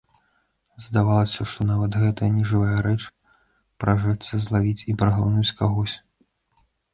Здавалася, што нават гэтая нежывая рэч пражэцца злавіць і праглынуць кагось.